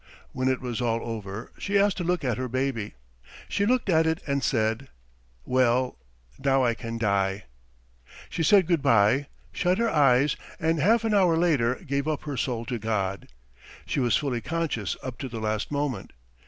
When it was all over she asked to look at her baby. She looked at it and said: "'Well, now I can die.' "She said good bye, shut her eyes, and half an hour later gave up her soul to God. She was fully conscious up to the last moment.